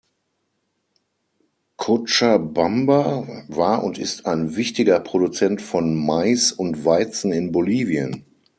Cochabamba war und ist ein wichtiger Produzent von Mais und Weizen in Bolivien.